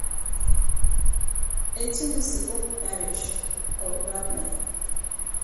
It is in the civil parish of Rodmell.